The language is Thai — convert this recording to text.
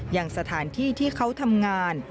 อย่างสถานที่ที่เขาทำงาน